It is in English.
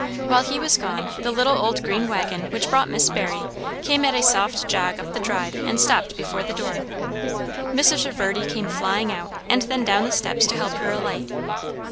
While he was gone, the little old green waggon which brought Miss Barry came at a soft jog up the drive and stopped before the door. Mrs. Reverdy came flying out and then down the steps to help her alight.